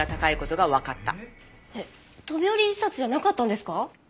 えっ飛び降り自殺じゃなかったんですか？